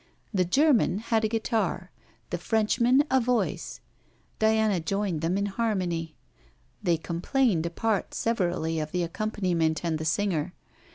The German had a guitar, the Frenchman a voice; Diana joined them in harmony. They complained apart severally of the accompaniment and the singer.